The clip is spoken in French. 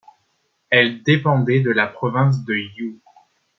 Elles dépendaient de la province de You.